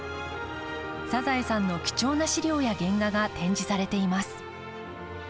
「サザエさん」の貴重な資料や原画が展示されています。